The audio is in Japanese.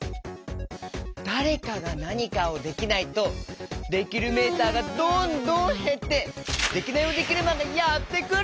だれかがなにかをできないとできるメーターがどんどんへってデキナイヲデキルマンがやってくる！